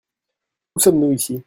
Où sommes-nous ici ?